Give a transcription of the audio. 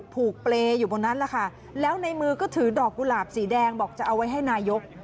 ผูกเปรย์อยู่บนนั้นแหละค่ะแล้วในมือก็ถือดอกกุหลาบสีแดงบอกจะเอาไว้ให้นายก